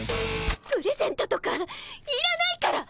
プレゼントとかいらないから！